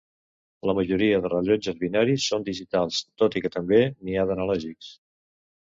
La majoria de rellotges binaris són digitals, tot i que també n'hi ha d'analògics.